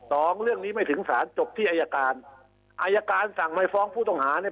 สองเรื่องนี้ไม่ถึงสารจบที่อายการอายการสั่งไม่ฟ้องผู้ต้องหาเนี่ย